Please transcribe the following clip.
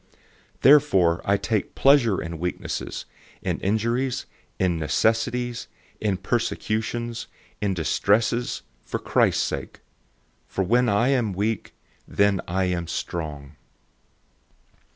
012:010 Therefore I take pleasure in weaknesses, in injuries, in necessities, in persecutions, in distresses, for Christ's sake. For when I am weak, then am I strong.